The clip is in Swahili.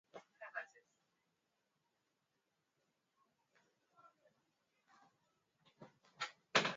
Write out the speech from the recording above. vinavyowaathiri na kushinikiza wanasiasa viongozi na wanaofanya